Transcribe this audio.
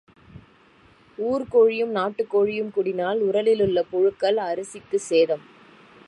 ஊர்க் கோழியும் நாட்டுக் கோழியும் கூடினால் உரலில் உள்ள புழுங்கல் அரிசிக்குச் சேதம்.